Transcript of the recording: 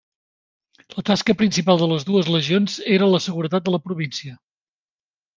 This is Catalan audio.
La tasca principal de les dues legions era la seguretat de la província.